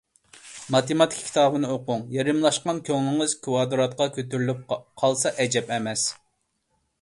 ماتېماتىكا كىتابنى ئوقۇڭ، يېرىملاشقان كۆڭلىڭىز كىۋادراتقا كۆتۈرۈلۈپ قالسا ئەجەب ئەمەس.